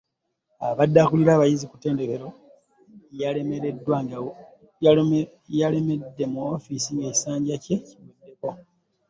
Abadde akulira abayizi ku ttendekero yalemedde mu woofiisi ng'ekisanja kye kiweddeko.